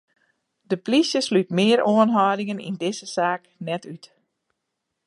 De polysje slút mear oanhâldingen yn dizze saak net út.